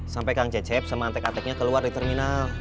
sampai kang cecep sama tek teknya keluar di terminal